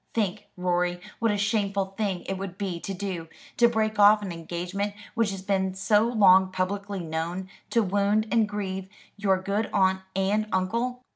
Think, Rorie, what a shameful thing it would be to do, to break off an engagement which has been so long publicly known, to wound and grieve your good aunt and uncle."